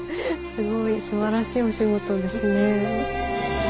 すごいすばらしいお仕事ですね。